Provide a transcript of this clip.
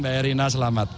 mbak erina selamat